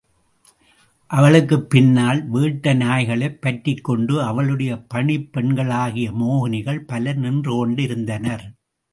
அவளுக்குப் பின்னால் வேட்டை நாய்களைப் பற்றிக்கொண்டு அவளுடைய பணிப் பெண்களாகிய மோகினிகள் பலர் நின்றுகொண்டிருந்தனர்.